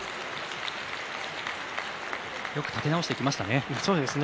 よく立て直してきましたね。